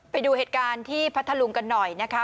ไปดูเหตุการณ์ที่พัทธลุงกันหน่อยนะคะ